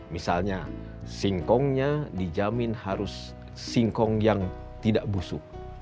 misalnya singkongnya dijamin harus singkong yang tidak busuk